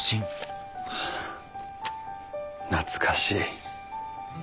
懐かしい。